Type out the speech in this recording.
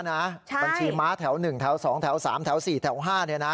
บัญชีม้าแถว๑แถว๒แถว๓แถว๔แถว๕